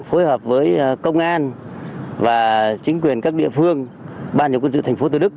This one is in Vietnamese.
phối hợp với công an và chính quyền các địa phương ban nhập quân sự thành phố từ đức